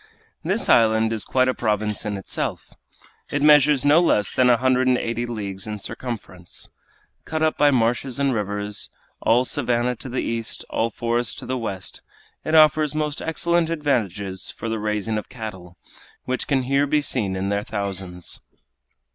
This island is quite a province in itself. It measures no less than a hundred and eighty leagues in circumference. Cut up by marshes and rivers, all savannah to the east, all forest to the west, it offers most excellent advantages for the raising of cattle, which can here be seen in their thousands.